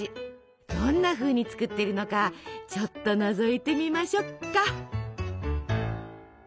どんなふうに作っているのかちょっとのぞいてみましょっか。